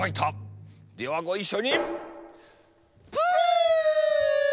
ではごいっしょに。